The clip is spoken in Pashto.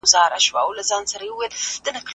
تاسو باتوران يئ.